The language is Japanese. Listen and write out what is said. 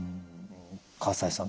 西さん